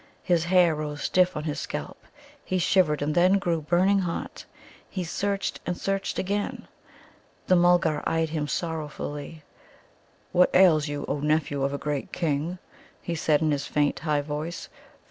His hair rose stiff on his scalp. He shivered, and then grew burning hot. He searched and searched again. The Mulgar eyed him sorrowfully. "What ails you, O nephew of a great King?" he said in his faint, high voice.